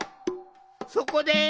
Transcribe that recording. そこで。